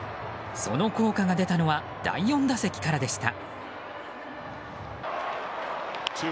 その効果が出たのは第４打席からでした。